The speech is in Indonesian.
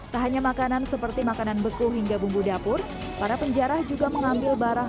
tak hanya makanan seperti makanan beku hingga bumbu dapur para penjara juga mengambil barang